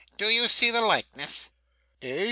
'Do you see the likeness?' 'Eh?